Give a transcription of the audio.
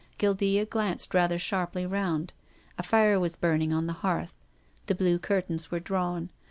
Guildea glanced rather sharply round. A fire was burning on the hearth. The blue curtains were drawn.